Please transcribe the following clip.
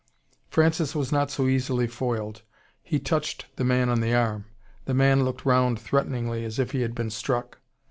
Francis was not so easily foiled. He touched the man on the arm. The man looked round threateningly, as if he had been struck.